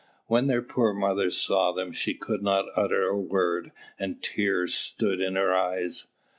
When their poor mother saw them, she could not utter a word, and tears stood in her eyes.